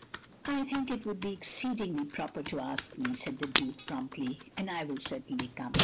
" "I think it would be exceedingly proper to ask me,*' said the Duke, promptly, "and I will certainly come.